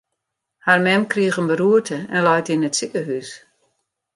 Har mem krige in beroerte en leit yn it sikehús.